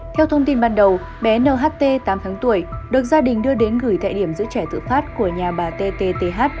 theo thông tin ban đầu bé nht tám tháng tuổi được gia đình đưa đến gửi tại điểm giữ trẻ tự phát của nhà bà tt